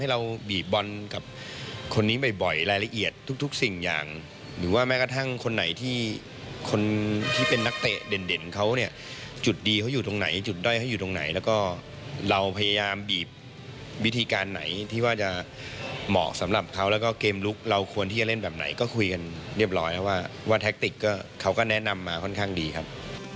เรียบร้อยแล้วว่าแท็กติกเขาก็แนะนำมาค่อนข้างดีครับ